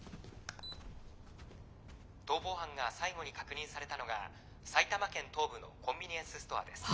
「逃亡犯が最後に確認されたのが埼玉県東部のコンビニエンスストアです」。